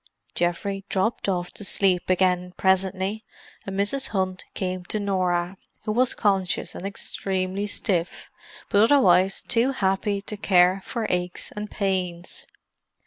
Geoffrey dropped off to sleep again, presently, and Mrs. Hunt came to Norah, who was conscious, and extremely stiff, but otherwise too happy to care for aches and pains.